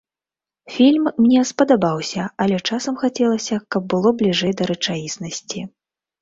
Фільм мне спадабаўся, але часам хацелася, каб было бліжэй да рэчаіснасці.